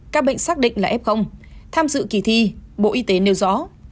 các bệnh xác định là f tham dự kỳ thi bộ y tế nêu rõ